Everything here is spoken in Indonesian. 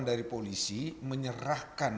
dari polisi menyerahkan